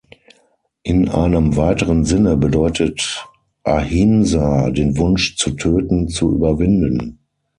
In einem weiteren Sinne bedeutet Ahimsa, den Wunsch zu Töten zu überwinden.